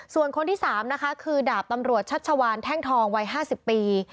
ส่วนคนที่๓นะคะคือดาบตำรวจชัชวานแท่งทองวัย๕๐ปี